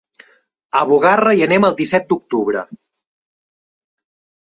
A Bugarra hi anem el disset d'octubre.